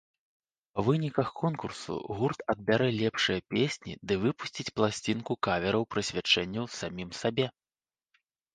Па выніках конкурсу гурт адбярэ лепшыя песні ды выпусціць пласцінку кавераў-прысвячэнняў самім сабе.